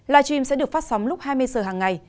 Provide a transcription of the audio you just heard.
live sẽ được phát sóng lúc hai mươi h hàng ngày